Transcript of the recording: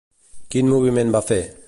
Quin moviment va fer?